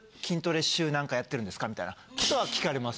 みたいなことは聞かれます。